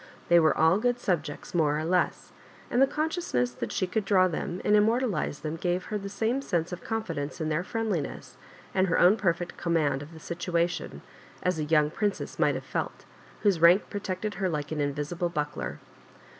They were all good subjects more or less, and the conscious ness that she could draw them and immortalise them gave her the same sense of confidence in their friendliness, and her own perfect com mand of the situation, as a young princess might have felt, whose rank protected her like an invisible buckler.